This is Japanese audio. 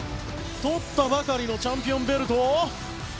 とったばかりのチャンピオンベルトを。